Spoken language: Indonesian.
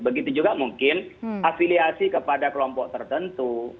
begitu juga mungkin afiliasi kepada kelompok tertentu